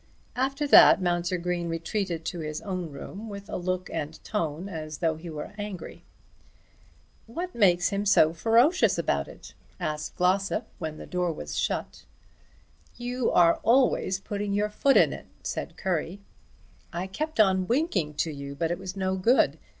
After that Mounser Green retreated to his own room with a look and tone as though he were angry. "What makes him so ferocious about it?" asked Glossop when the door was shut. "You are always putting your foot in it," said Currie. "I kept on winking to you but it was no good.